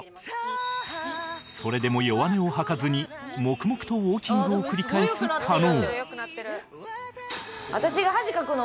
それでも弱音を吐かずに黙々とウォーキングを繰り返す加納